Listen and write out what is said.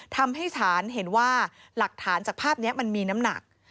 ทำให้ศาลเห็นว่าหลักฐานจากภาพนี้มันมีน้ำหนัก